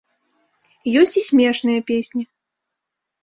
Ёсць і смешныя песні.